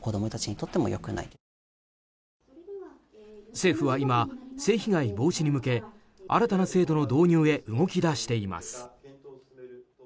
政府は今、性被害防止に向け新たな制度の導入へ動き出しています。